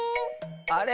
あれ？